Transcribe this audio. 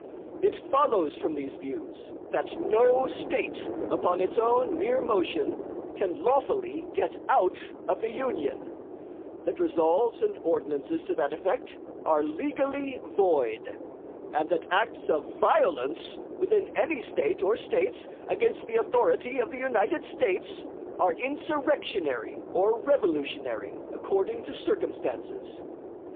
It follows from these views that no State upon its own mere motion can lawfully get out of the Union; that Resolves and Ordinances to that effect are legally void; and that acts of violence, within any State or States, against the authority of the United States, are insurrectionary or revolutionary, according to circumstances.